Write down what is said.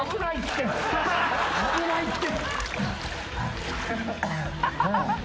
危ないって。